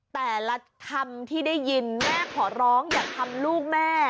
แต่ละคำที่ได้ยินแม่ขอร้องอย่าทำลูกแม่